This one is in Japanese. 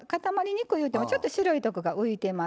にくいいうてもちょっと白いとこが浮いてます。